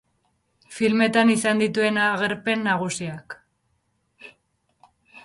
Filmetan izan dituen agerpen nagusiak.